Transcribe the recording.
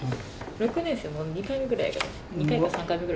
６年生もう２回目ぐらいやけど。